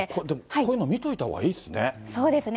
こういうの見といたほうがいいですね。